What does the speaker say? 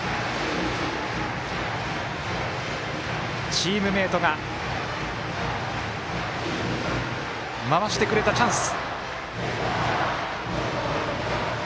チームメートが回してくれたチャンス。